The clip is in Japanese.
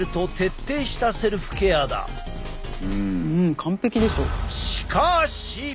完璧でしょ。